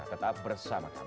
tetap bersama kami